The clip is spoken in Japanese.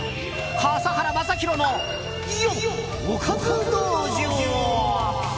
笠原将弘のおかず道場。